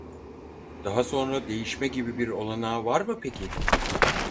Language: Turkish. Daha sonra değişme gibi bir olanağı var mı peki